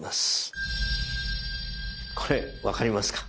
これ分かりますか？